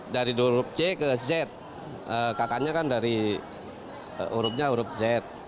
dari urub c ke z kakaknya kan dari urubnya urub z